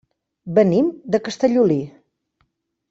Venim de Castellolí.